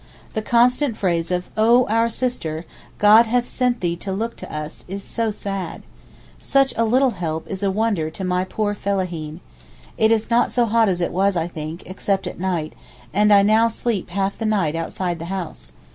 The constant phrase of 'Oh our sister, God hath sent thee to look to us!' is so sad. Such a little help is a wonder to my poor fellaheen. It is not so hot as it was I think, except at night, and I now sleep half the night outside the house.